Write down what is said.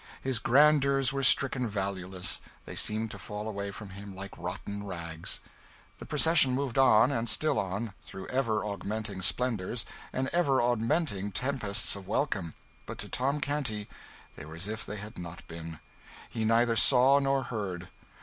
His grandeurs were stricken valueless: they seemed to fall away from him like rotten rags. The procession moved on, and still on, through ever augmenting splendours and ever augmenting tempests of welcome; but to Tom Canty they were as if they had not been. He neither saw nor heard.